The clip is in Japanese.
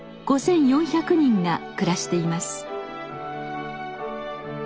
５，４００人が暮らしています。